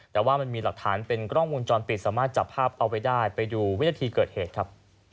แต่ว่ามันมีหลักฐานเป็นกล้องวงจรปิดสามารถจับภาพเอาไว้ได้ไปดูวินาทีเกิดเหตุครับ